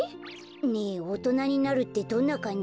ねえおとなになるってどんなかんじ？